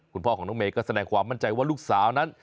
คุณพ่อของน้องเมย์ก็แสดงความมั่นใจว่าลูกสาวนั้น